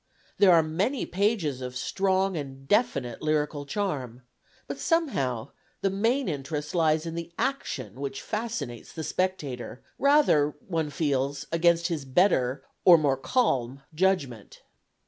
There are many pages of strong and definite lyrical charm, but somehow the main interest lies in the action which fascinates the spectator, rather, one feels, against his better or more calm judgment.